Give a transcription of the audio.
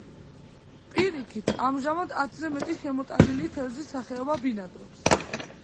პირიქით, ამჟამად, ათზე მეტი შემოტანილი თევზის სახეობა ბინადრობს.